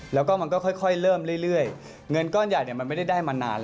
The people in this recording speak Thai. แล้วก็มันก็ค่อยเริ่มเรื่อยเงินก้อนใหญ่มันไม่ได้ได้มานานแล้ว